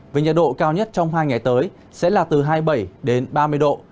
với nhiệt độ cao nhất trong hai ngày tới sẽ là từ hai mươi bảy đến ba mươi độ